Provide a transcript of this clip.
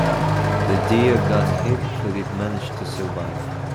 The deer got hit, but it managed to survive.